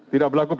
tidak berlaku itu